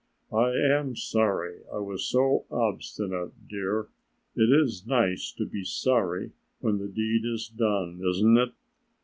I am sorry I was so obstinate, dear. It is nice to be sorry when the deed is done, isn't it?